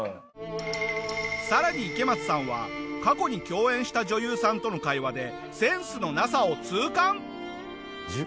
さらに池松さんは過去に共演した女優さんとの会話でセンスのなさを痛感！